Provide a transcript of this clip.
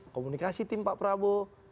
komunikasi tim pak prabowo